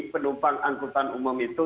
penumpang angkutan umum itu